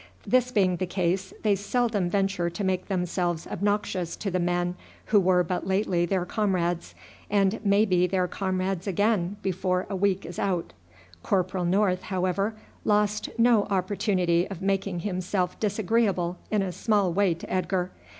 This being the case, they seldom venture to make themselves obnoxious to the men who were but lately their comrades, and may be their comrades again before a week is out. Corporal North, however, lost no opportunity of making himself disagreeable in a small way to Edgar.